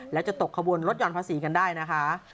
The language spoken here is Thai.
และจะตกขบวนลดห่อนภาษีกันได้นะคะ